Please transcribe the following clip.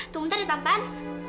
tunggu ntar ditempan